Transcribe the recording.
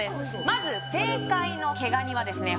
まず正解の毛ガニはですね